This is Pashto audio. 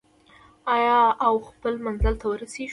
آیا او خپل منزل ته ورسیږو؟